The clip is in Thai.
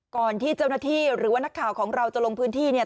ก่อนที่เจ้าหน้าที่หรือว่านักข่าวของเราจะลงพื้นที่เนี่ย